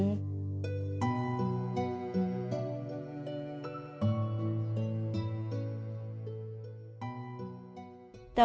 จนโต๊ะ๔โดนรถชุน